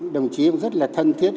đồng chí cũng rất là thân thiết